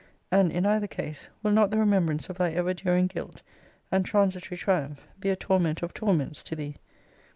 And, in either case, will not the remembrance of thy ever during guilt, and transitory triumph, be a torment of torments to thee?